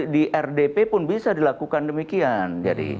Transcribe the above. di rdp pun bisa dilakukan demikian